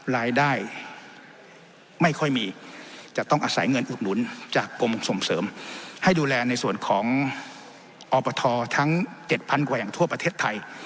รายได้ไม่ค่อยมีจะต้องอาศัยเงินอุดหนุนจากกรมส่งเสริมให้ดูแลในส่วนของอปททั้ง๗๐๐กว่าแห่งทั่วประเทศไทย